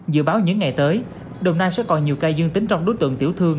dự báo những ngày tới đồng nai sẽ còn nhiều ca dương tính trong đối tượng tiểu thương